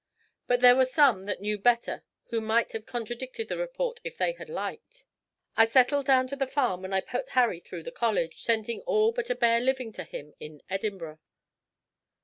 But there were some that knew better who might have contradicted the report if they had liked. I settled down to the farm, and I put Harry through the college, sending all but a bare living to him in Edinburgh.